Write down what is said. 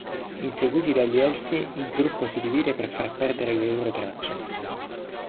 Inseguiti dagli elfi il gruppo si divide per far perdere le loro tracce.